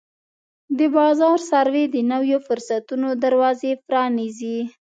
د بازار سروې د نویو فرصتونو دروازې پرانیزي.